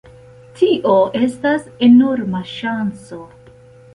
Tio estas enorma ŝanco.